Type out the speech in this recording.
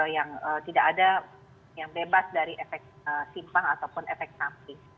yang tidak ada yang bebas dari efek simpang ataupun efek samping